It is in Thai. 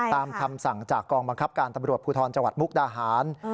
คำสั่งจากกองบังคับการตำรวจภูทรจังหวัดมุกดาหาร